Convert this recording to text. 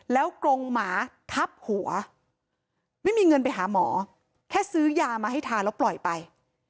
แล้วกรงหมาทับหัวไม่มีเงินไปหาหมอแค่ซื้อยามาให้ทานแล้วปล่อยไป